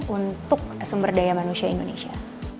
untuk sumber daya manusia indonesia